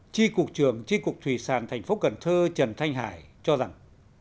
tri cục trường tri cục thủy sản tp cn trần thanh hải cho rằng